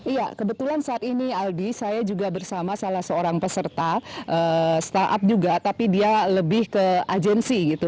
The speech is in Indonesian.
iya kebetulan saat ini aldi saya juga bersama salah seorang peserta startup juga tapi dia lebih ke agensi gitu